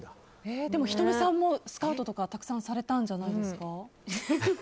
でも仁美さんもスカウトとかたくさんされたんじゃないですか。